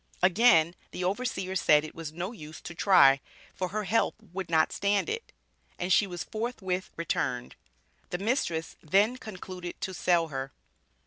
Again the overseer said it was "no use to try, for her health would not stand it," and she was forthwith returned. The mistress then concluded to sell her.